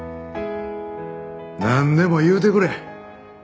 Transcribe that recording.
なんでも言うてくれ！